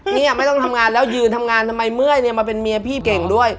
เนี่ยไม่ต้องทำงานแล้วยืนทำงานทำไมเมื่อยเนี่ยมาเป็นเมียพี่เก่งด้วย